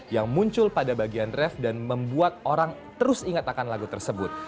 yang muncul pada bagian ref dan membuat orang terus ingat akan lagu tersebut